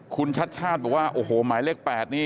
คุณชาชาติบอกว่าหมายเลข๘